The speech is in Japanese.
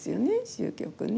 終局ね。